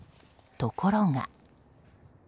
ところが。